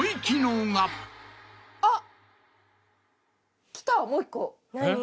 あっ。